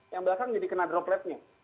yang belakang jadi kena dropletnya